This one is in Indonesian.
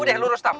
udah lurus tam